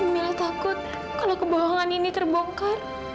mila takut kalau kebohongan ini terbongkar